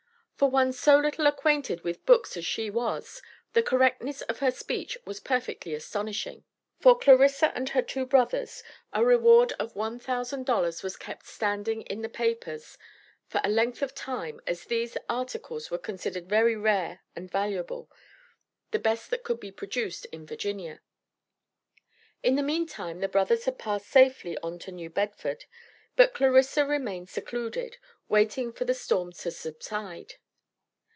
For one so little acquainted with books as she was, the correctness of her speech was perfectly astonishing. For Clarissa and her two brothers a "reward of one thousand dollars" was kept standing in the papers for a length of time, as these (articles) were considered very rare and valuable; the best that could be produced in Virginia. In the meanwhile the brothers had passed safely on to New Bedford, but Clarissa remained secluded, "waiting for the storm to subside."